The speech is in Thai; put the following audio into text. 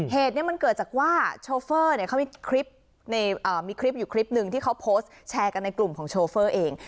เหตุนี้มันเกิดจากว่าโชเฟอร์เนี่ยเขามีคลิปมีคลิปอยู่คลิปหนึ่งที่เขาโพสต์แชร์กันในกลุ่มของโชเฟอร์เอง